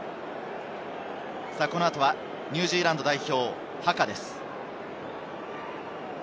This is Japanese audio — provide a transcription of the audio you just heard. この後はニュージーランド代表、ハカです。